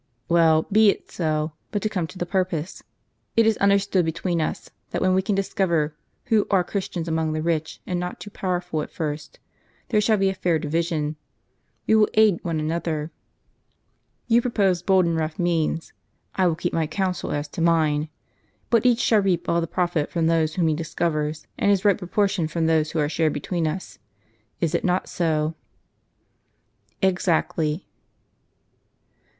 " Well, be it so ; but to come to the purpose. It is under stood between us, that when we can discover wdio are Christians among the rich, and not too powerful at first, there shall be a fair division. We w^ill aid one another. You propose bold and rough means; I will keep my counsel as to mine. But each shall reap all the profit from those whom he discov ers; and his right proportion from those who are shared between us. Is it not so? "" Exactly."